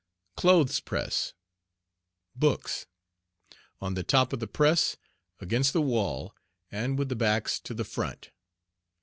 CLOTHES PRESS. Books On the top of the Press, against the wall, and with the backs to the front.